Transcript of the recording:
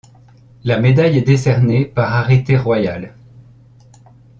La médaille est décernée par arrêté royal.